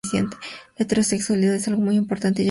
La heterosexualidad es algo muy importante ya que debes saber.